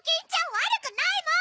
わるくないもん！